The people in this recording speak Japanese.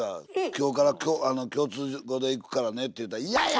「今日から共通語でいくからね」って言うたら「いやや！」